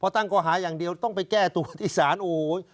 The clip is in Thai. เพราะตั้งข้อหาอย่างเดียวต้องไปแก้ตัวอัธิสารโอ้โห